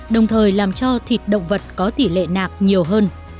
đồng thời làm cho thịt động vật có tỷ lệ nạc nhiều hơn